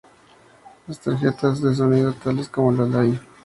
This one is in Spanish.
Las tarjetas de sonido tales como la Live!